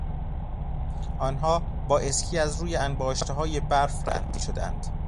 آنها با اسکی از روی انباشتههای برف رد میشدند.